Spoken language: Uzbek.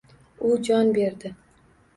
U jon berdi…